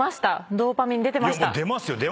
ドーパミン出てました？